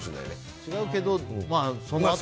違うけど。